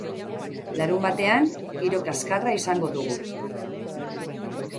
Larunbatean, giro kaskarra izango dugu.